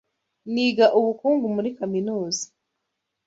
Niga ubukungu muri kaminuza.